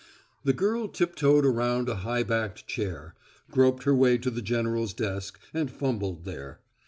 The girl tiptoed around a high backed chair, groped her way to the general's desk, and fumbled there.